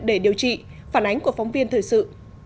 để điều trị phản ánh của phóng viên thời sự